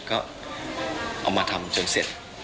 ก็เอามาทำจนเสร็จ